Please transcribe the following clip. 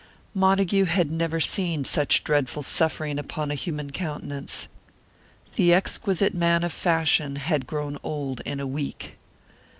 Montague had never seen such dreadful suffering upon a human countenance. The exquisite man of fashion had grown old in a week.